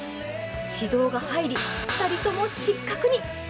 指導が入り、２人とも失格に。